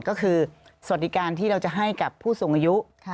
ก็คือสวัสดิการที่เราจะให้กับผู้สูงอายุ